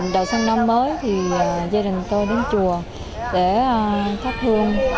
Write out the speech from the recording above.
đầu sân năm mới gia đình tôi đến chùa để thắp hương